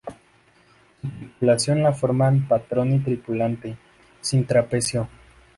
Su tripulación la forman patrón y tripulante, sin trapecio.